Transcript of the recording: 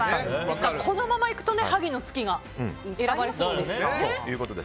このままいくと、萩の月が選ばれそうですよね。